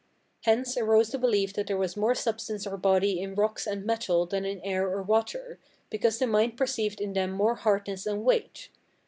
Hence arose the belief that there was more substance or body in rocks and metals than in air or water, because the mind perceived in them more hardness and weight.